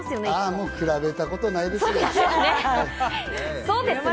もう比べたことないですよ。